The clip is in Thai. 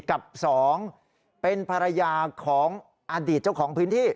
กับ๒เป็นภรรยาของอดีตเจ้าของพื้นที่